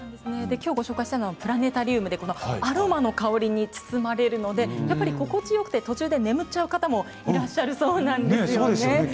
きょう、ご紹介したのはプラネタリウムアロマの香りに包まれるので心地よくて途中で眠っちゃう方もいらっしゃるそうです。